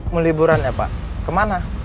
meliburan ya pak kemana